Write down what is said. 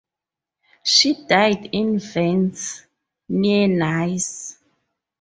She died in Vence, near Nice.